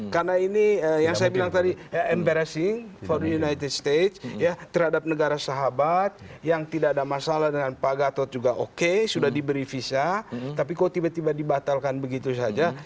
karena ini yang saya bilang tadi embarrassing for the united states ya terhadap negara sahabat yang tidak ada masalah dengan pak gatot juga oke sudah diberi visa tapi kok tiba tiba dibatalkan begitu saja